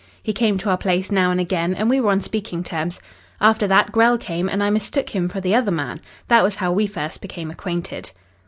He came to our place now and again, and we were on speaking terms. After that Grell came and I mistook him for the other man. That was how we first became acquainted."